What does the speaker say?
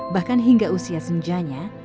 bahkan hingga usia senjanya